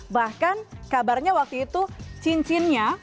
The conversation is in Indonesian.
bahkan kabarnya waktu itu cincin berubah